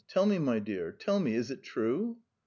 Tell me, my dear ... tell me, is it true?"